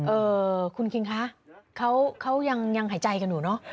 เอ่อคุณคิงคะเขายังหายใจกันอยู่เนอะ